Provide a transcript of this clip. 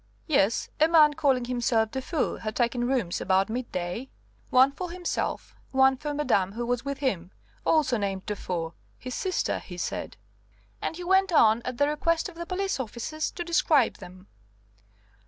"Yes, a man calling himself Dufour had taken rooms about midday, one for himself, one for madame who was with him, also named Dufour his sister, he said;" and he went on at the request of the police officers to describe them.